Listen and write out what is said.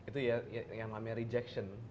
itu ya yang namanya rejection